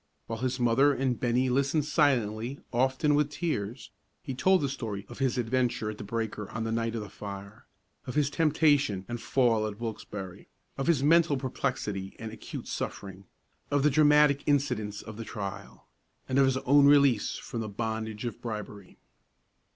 While his mother and Bennie listened silently, often with tears, he told the story of his adventure at the breaker on the night of the fire, of his temptation and fall at Wilkesbarre, of his mental perplexity and acute suffering, of the dramatic incidents of the trial, and of his own release from the bondage of bribery.